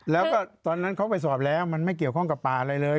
แล้วก็ตอนนั้นเขาไปสอบแล้วมันไม่เกี่ยวข้องกับป่าอะไรเลย